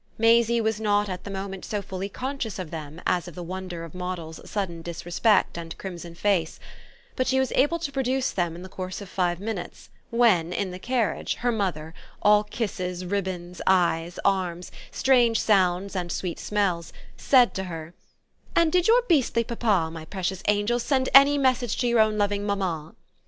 Maisie was not at the moment so fully conscious of them as of the wonder of Moddle's sudden disrespect and crimson face; but she was able to produce them in the course of five minutes when, in the carriage, her mother, all kisses, ribbons, eyes, arms, strange sounds and sweet smells, said to her: "And did your beastly papa, my precious angel, send any message to your own loving mamma?"